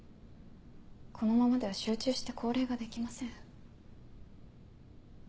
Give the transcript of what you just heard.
このままでは集中して降霊ができません。